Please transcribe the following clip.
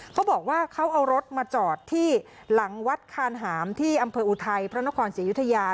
เขาบอกว่าเขาเอารถมาจอดที่หลังวัดคานหามที่อำเภออุทัยพระนครศรียุธยา